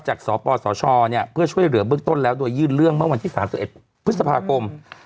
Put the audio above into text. สปสชเพื่อช่วยเหลือเบื้องต้นแล้วโดยยื่นเรื่องเมื่อวันที่๓๑พฤษภาคม